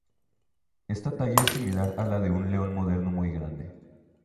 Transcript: Esta talla es similar a la de un león moderno muy grande.